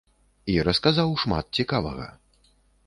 І расказаў шмат цікавага.